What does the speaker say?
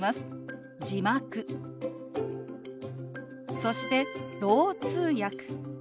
そして「ろう通訳」。